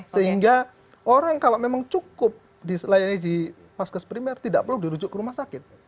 sehingga orang kalau memang cukup dilayani di paskes primer tidak perlu dirujuk ke rumah sakit